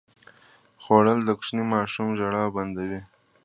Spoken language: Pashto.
خوړل د کوچني ماشوم ژړا بنده وي